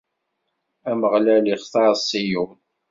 Ameɣlal ixtar Ṣiyun.